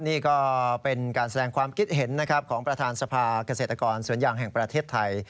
นี่ก็เป็นการแสดงความคิดเห็นของประธานสภากเศรษฐกรส่วนอย่างแห่งประเทศไทย